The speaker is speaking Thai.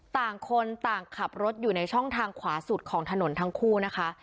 ต่างคนต่างขับรถอยู่ในช่องทางขวาสุดของถนนทั้งคู่นะคะ